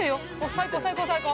最高最高最高。